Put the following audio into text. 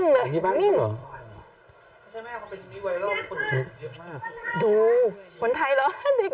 นี่บ้านของเราไม่ใช่แม่ความเต็มนี้ไว้หรอกคนนี้ลึกเยอะมาก